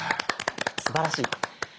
すばらしい。